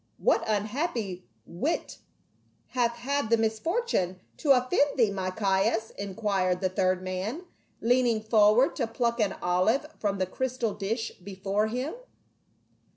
"What unhappy wight hath had the misfortune to offend thee, my Caius," inquired the third man, lean ing forward to pluck an olive from the crystal dish before him.